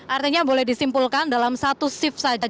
artinya boleh disimpulkan dalam satu shift saja